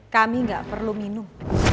kami gak perlu minum